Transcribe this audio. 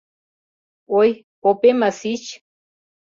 Ой, попема сич.